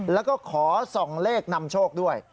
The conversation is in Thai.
แล้วก็ขอส่องเลขนำโชคด้วย